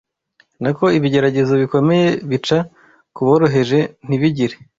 nako ibigeragezo bikomeye bica ku boroheje ntibigire